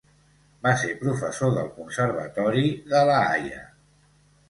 Va ser professor del Conservatori de La Haia.